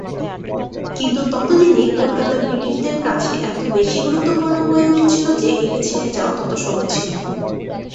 কিন্তু ততদিনে কলকাতা ব্রিটিশদের কাছে এত বেশি গুরুত্বপূর্ণ হয়ে উঠেছিল যে, একে ছেড়ে যাওয়া তত সহজ ছিল না।